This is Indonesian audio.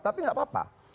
tapi tidak apa apa